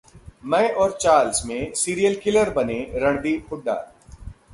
'मैं और चार्ल्स' में 'सीरियल किलर' बने रणदीप हुड्डा